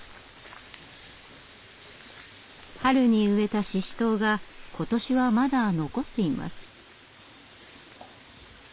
春に植えたシシトウが今年はまだ残っています。